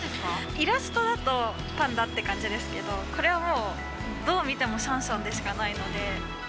イラストだとパンダって感じですけど、これはもう、どう見てもシャンシャンでしかないので。